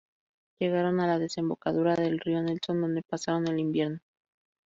Llegaron a la desembocadura del río Nelson, donde pasaron el invierno.